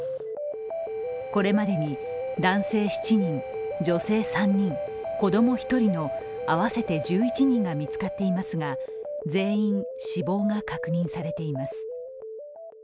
これまでに男性７人、女性３人、子供１人の合わせて１１人が見つかっていますが、全員死亡が確認されています。